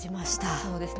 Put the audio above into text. そうですね。